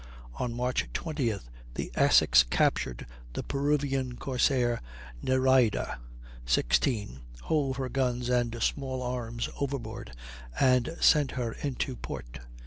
On March 20th the Essex captured the Peruvian corsair Nereyda, 16, hove her guns and small arms overboard, and sent her into port.